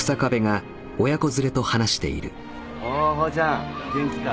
おおこうちゃん元気か。